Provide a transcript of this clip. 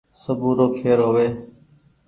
سبو رو کير هووي